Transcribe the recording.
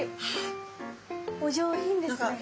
お上品ですね。